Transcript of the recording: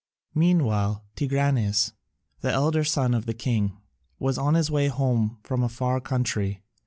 Meanwhile Tigranes, the elder son of the king, was on his way home from a far country.